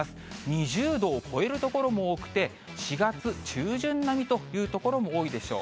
２０度を超える所も多くて、４月中旬並みという所も多いでしょう。